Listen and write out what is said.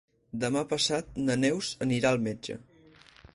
Demà passat na Neus anirà al metge.